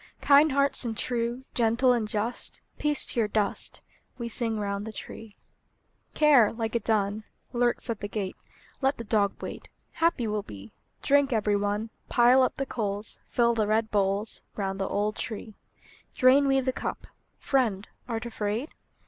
Kind hearts and true, Gentle and just, Peace to your dust! We sing round the tree. Care, like a dun, Lurks at the gate: Let the dog wait; Happy we'll be! Drink, every one; Pile up the coals; Fill the red bowls, Round the old tree! Drain we the cup. Friend, art afraid?